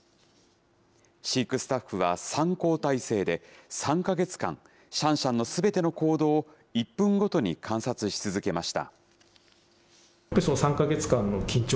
飼育スタッフは３交代制で、３か月間、シャンシャンのすべての行動を、１分ごとに観察し続けました。